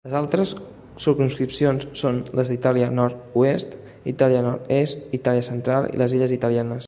Les altres circumscripcions són les d'Itàlia nord-oest, Itàlia nord-est, Itàlia central i les Illes italianes.